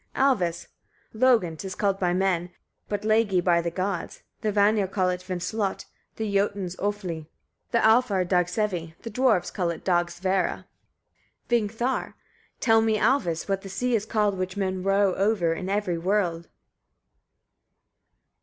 Alvis. 23. Logn 'tis called by men, but lægi by the gods, the Vanir call it vindslot, the Jotuns ofhly, the Alfar dagsevi, the Dwarfs call it dags vera. Vingthor. 24. Tell me, Alvis! etc., what the sea is called, which men row over in every world.